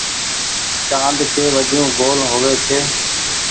چآند ڪي وجون گول هووي ڇي۔